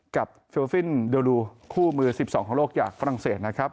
กับฟิลฟินเดอรูคู่มือ๑๒ของโลกอย่างฝรั่งเศสนะครับ